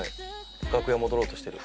楽屋戻ろうとしてる。